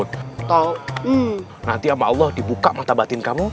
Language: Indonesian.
atau nanti sama allah dibuka mata batin kamu